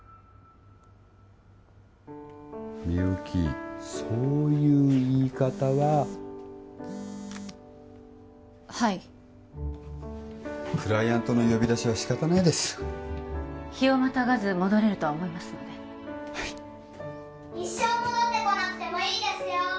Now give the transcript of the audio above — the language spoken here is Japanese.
みゆきそういう言い方ははいクライアントの呼び出しは仕方ないです日をまたがず戻れるとは思いますのではい一生戻ってこなくてもいいですよ